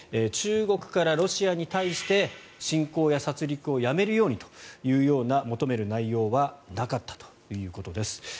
中国からロシアに対して侵攻や殺りくをやめるようにというような求める内容はなかったということです。